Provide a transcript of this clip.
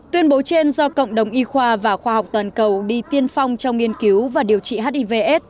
tuyên bố trên do cộng đồng y khoa và khoa học toàn cầu đi tiên phong trong nghiên cứu và điều trị hivs